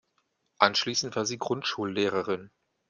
Anschließend war sie Grundschullehrerin.